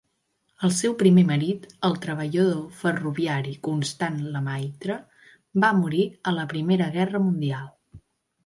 El seu primer marit, el treballador ferroviari Constant Lemaitre, va morir a la Primera Guerra Mundial.